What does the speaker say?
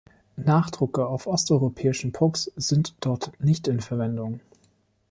Nachdrucke auf osteuropäischen Pucks sind dort nicht in Verwendung.